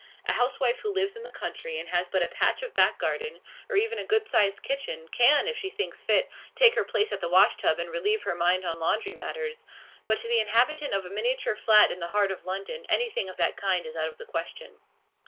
A housewife who lives in the country, and has but a patch of back garden, or even a good sized kitchen, can, if she thinks fit, take her place at the wash tub and relieve her mind on laundry matters; but to the inhabitant of a miniature flat in the heart of London anything of that kind is out of the question.